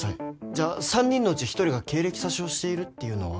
じゃあ３人のうち１人が経歴詐称しているっていうのは？